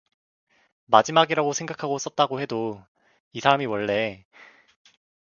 마지막이라고 생각하고 썼다고 해도 이사람이 원래...